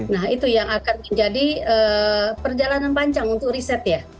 nah itu yang akan menjadi perjalanan panjang untuk riset ya